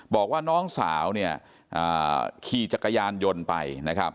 บอกว่าน้องสาวขี่จักรยานยนต์ไป